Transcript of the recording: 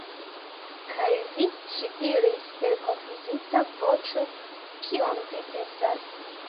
Kaj vi, ŝi diris per konfuzita voĉo, kion vi pensas?